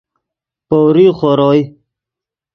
پؤریغ خور اوئے